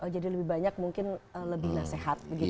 jadi lebih banyak mungkin lebih nasihat begitu ya